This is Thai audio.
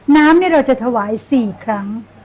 น้ำเราจะถวาย๔ครั้ง